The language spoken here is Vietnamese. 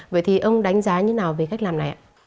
vậy thì ông đánh giá như nào về cách làm này ạ